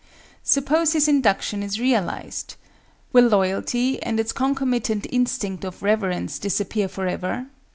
Suppose his induction is realized—will loyalty and its concomitant instinct of reverence disappear forever?